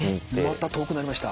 また遠くなりました。